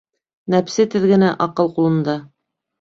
Нәпсе теҙгене аҡыл ҡулында.